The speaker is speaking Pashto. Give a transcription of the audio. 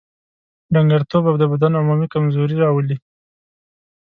ډنګرتوب او د بدن عمومي کمزوري راولي.